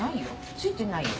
付いてないよ。